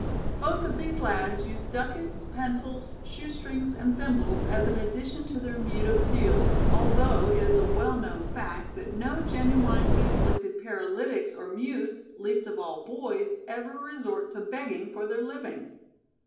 Both of these lads used duckets, pencils, shoestrings and thimbles as an addition to their mute appeals, although it is a well known fact that no genuinely afflicted paralytics or mutes, least of all boys, ever resort to begging for their living.